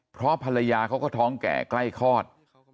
เพราะภรรยาเขาก็ท้องแก่ใกล้คลอด